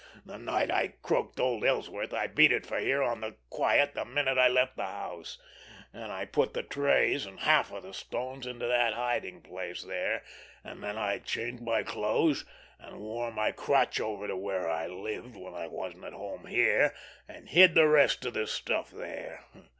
"The night I croaked old Ellsworth I beat it for here on the quiet the minute I left the house, and I put the trays and half of the stones into that hiding place there, and then I changed my clothes and wore my crutch over to where I lived when I wasn't at home here, and hid the rest of the stuff there.